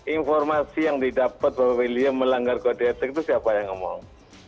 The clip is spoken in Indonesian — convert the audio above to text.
informasi yang didapat bahwa william melanggar kode etik itu siapa yang ngomong